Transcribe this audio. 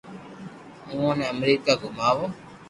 اووہ ني امريڪا گوماوُ